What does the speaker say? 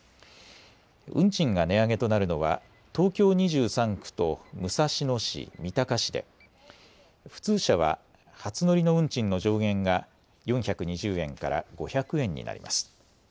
運賃が値上げとなるのは東京２３区と武蔵野市、三鷹市で普通車は初乗りの運賃の上限が４２０円から５００円になります。